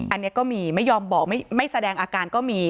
อันนี้ก็มีไม่ยอมบอกไม่แสดงอาการก็มี